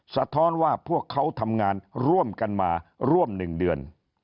สะท้อนว่าพวกเขาทำงานร่วมกันมาร่วม๑เดือน